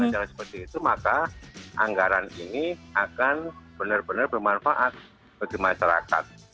dengan seperti itu maka anggaran ini akan benar benar bermanfaat bagi masyarakat